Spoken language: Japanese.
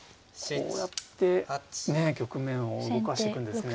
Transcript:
こうやってねえ局面を動かしていくんですね。